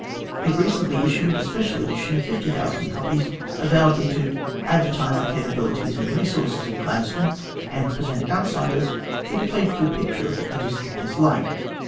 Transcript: It recently issued a special edition of 50,000 copies, avowedly to " advertise the capabilities and resources of Gladstone, and present outsiders with a faithful picture of what the district is like.